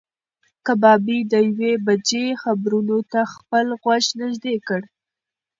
کبابي د یوې بجې خبرونو ته خپل غوږ نږدې کړ.